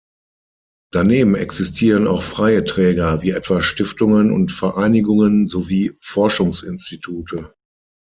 Daneben existieren auch freie Träger, wie etwa Stiftungen und Vereinigungen sowie Forschungsinstitute.